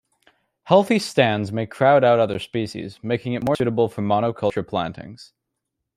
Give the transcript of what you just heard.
Healthy stands may crowd out other species, making it more suitable for monoculture plantings.